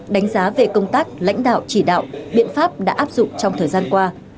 đánh giá về công tác lãnh đạo chỉ đạo biện pháp đã áp dụng trong thời gian qua